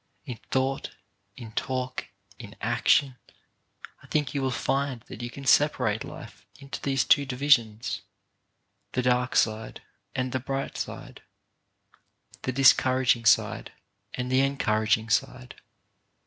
In thought, in talk, in action, I think you will find that you can separate life into these two divisions — the dark side and the bright side, the discouraging side and the encouraging side.